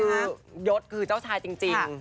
แล้วคือยดคือเจ้าชายจริง